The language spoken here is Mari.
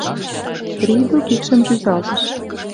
Рийду кидшым рӱзалтыш.